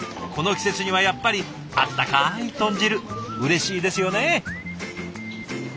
この季節にはやっぱり温かい豚汁うれしいですよね。